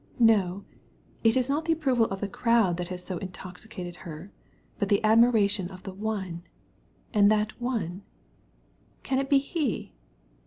"No, it's not the admiration of the crowd has intoxicated her, but the adoration of one. And that one? can it be he?"